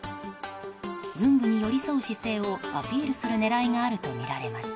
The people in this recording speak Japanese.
軍部に寄り添う姿勢をアピールする狙いがあるとみられます。